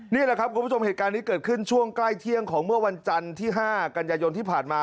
นี่แหละครับคุณผู้ชมเหตุการณ์นี้เกิดขึ้นช่วงใกล้เที่ยงของเมื่อวันจันทร์ที่๕กันยายนที่ผ่านมา